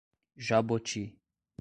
Jaboti